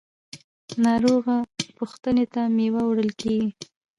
ناروغه پوښتنې ته میوه وړل کیږي.